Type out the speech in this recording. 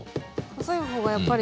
細い方がやっぱり。